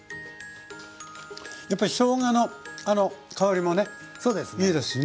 やっぱりしょうがの香りもねいいですしね。